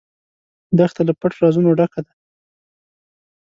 دښته له پټ رازونو ډکه ده.